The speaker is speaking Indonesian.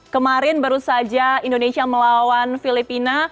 kemarin baru saja indonesia melawan filipina